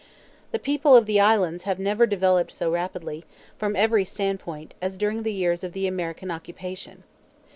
The people of the islands have never developed so rapidly, from every standpoint, as during the years of the American occupation.